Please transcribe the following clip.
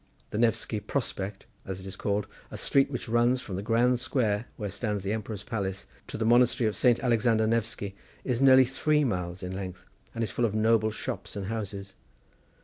The Nefsky Prospect, as it is called, a street which runs from the grand square, where stands the Emperor's palace, to the monastery of Saint Alexander Nefsky, is nearly three miles in length and is full of noble shops and houses.